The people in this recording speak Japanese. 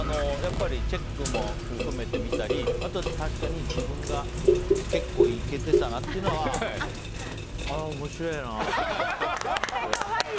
チェックも含めて見たりあとは確かに自分が結構イケてたなってやつはおもしれえなって。